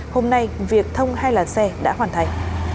hôm nay việc thông hai làn xe đã hoàn thành